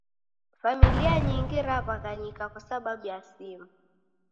Familia nyingi raw'aghanyika kwa sababu ya simu